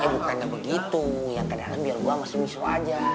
eh bukannya begitu yang ke dalam biar gue masih miso aja